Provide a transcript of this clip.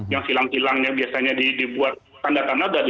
yang silang silangnya biasanya dibuat tanda tanda